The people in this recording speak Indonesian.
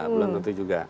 belum tentu juga